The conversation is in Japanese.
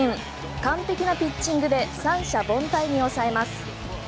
完璧なピッチングで三者凡退に抑えます。